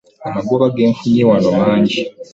Amagoba ge nfunye wano mangi.